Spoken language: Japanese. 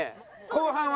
後半は。